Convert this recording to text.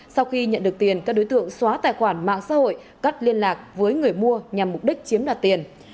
sau khi nhận được tiền các đối tượng xóa tài khoản mạng xã hội cắt liên lạc với người mua nhằm mục đích chiếm đoạt tiền